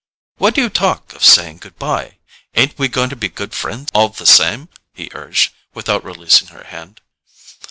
"Why do you talk of saying goodbye? Ain't we going to be good friends all the same?" he urged, without releasing her hand.